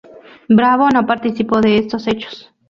Bravo no participó de estos hechos.